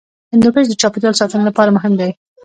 هندوکش د چاپیریال ساتنې لپاره مهم دی.